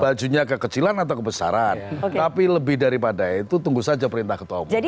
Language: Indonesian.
bajunya kekecilan atau kebesaran tapi lebih daripada itu tunggu saja perintah ketua umum